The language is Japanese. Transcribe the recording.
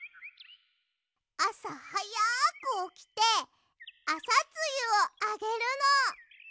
あさはやくおきてアサツユをあげるの。